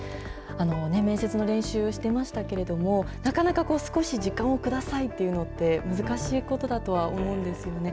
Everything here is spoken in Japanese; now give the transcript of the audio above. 面接の練習してましたけれども、なかなか少し時間をくださいって言うの、難しいことだとは思うんですよね。